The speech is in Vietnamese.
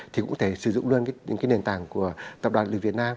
thì cũng có thể sử dụng luôn nền tảng của tập đoàn lịch việt nam